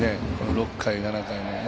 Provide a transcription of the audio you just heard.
６回、７回の。